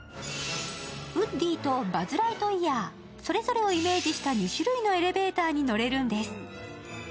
ウッディとバズ・ライトイヤー、それぞれをイメージした２種類のエレベーターに乗れるんです。